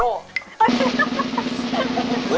อะเวโร่